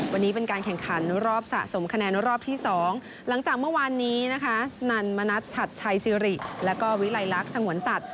วันนี้เป็นการแข่งขันรอบสะสมคะแนนรอบที่๒หลังจากเมื่อวานนี้นะคะนันมณัฐฉัดชัยซิริแล้วก็วิลัยลักษณ์สงวนสัตว